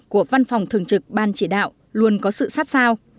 của văn phòng thường trực ban chỉ đạo luôn có sự sát sao